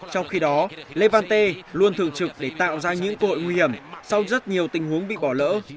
trong khi đó levante luôn thường trực để tạo ra những cội nguy hiểm sau rất nhiều tình huống bị bỏ lỡ